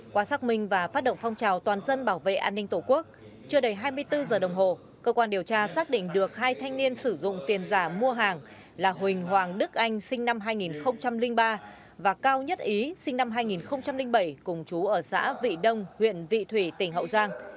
qua xác minh và phát động phong trào toàn dân bảo vệ an ninh tổ quốc chưa đầy hai mươi bốn giờ đồng hồ cơ quan điều tra xác định được hai thanh niên sử dụng tiền giả mua hàng là huỳnh hoàng đức anh sinh năm hai nghìn ba và cao nhất ý sinh năm hai nghìn bảy cùng chú ở xã vị đông huyện vị thủy tỉnh hậu giang